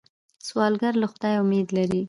سوالګر له خدایه امید لري